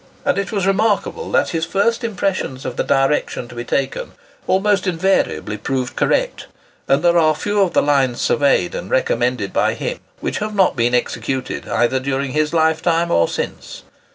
And it was remarkable that his first impressions of the direction to be taken almost invariably proved correct; and there are few of the lines surveyed and recommended by him which have not been executed, either during his lifetime or since.